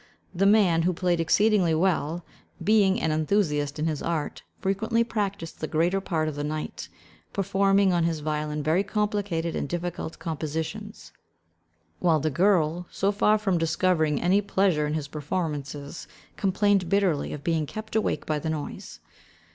The man, who played exceedingly well, being an enthusiast in his art, frequently practised the greater part of the night, performing on his violin very complicated and difficult compositions; while the girl, so far from discovering any pleasure in his performances, complained bitterly of being kept awake by the noise.